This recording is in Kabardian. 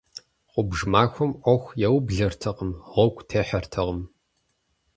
Гъубж махуэм Ӏуэху яублэртэкъым, гъуэгу техьэртэкъым.